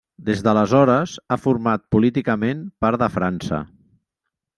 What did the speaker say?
Des d'aleshores, ha format políticament part de França.